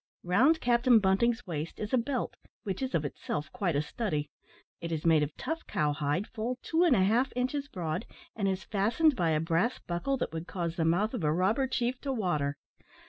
Round Captain Bunting's waist is a belt, which is of itself quite a study. It is made of tough cow hide, full two and a half inches broad, and is fastened by a brass buckle that would cause the mouth of a robber chief to water.